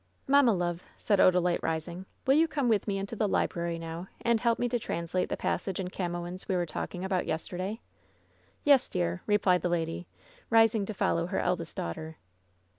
"Mamma, love," said Odalite, rising, "will you come with me into the library now and help me to translate the passage in Camoens we were talking about yester day?" "Yes, dear," replied the lady, rising to follow her eld est daughter.